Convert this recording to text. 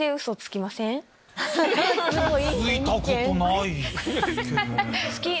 ついたことないっすよ。